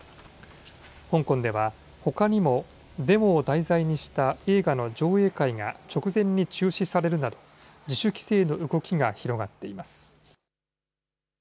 香港ではほかにもデモを題材にした映画の上映会が直前に中止されるなど自主規制の動きが広がっています。